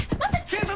警察！